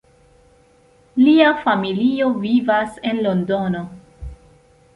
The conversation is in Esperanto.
Lia familio vivas en Londono.